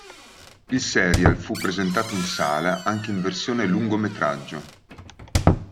Il serial fu presentato in sala anche in versione lungometraggio.